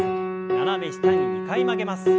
斜め下に２回曲げます。